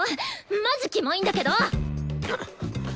マジキモいんだけど！